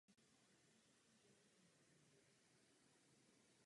Rybolov sardele obecné v Biskajském zálivu má velký sociálně-ekonomický význam.